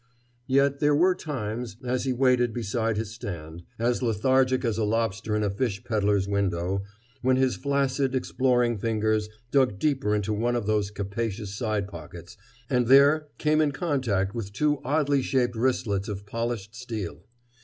Yet there were times, as he waited beside his stand, as lethargic as a lobster in a fish peddler's window, when his flaccid, exploring fingers dug deeper into one of those capacious side pockets and there came in contact with two oddly shaped wristlets of polished steel.